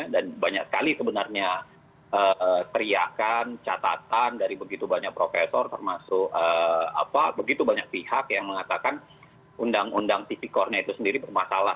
dan banyak sekali sebenarnya teriakan catatan dari begitu banyak profesor termasuk begitu banyak pihak yang mengatakan undang undang tipikornya itu sendiri bermasalah